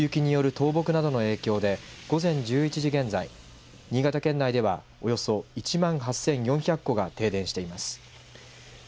大雪による倒木などの影響で午前１１時現在、新潟県内ではおよそ１万８４００戸が停電しています。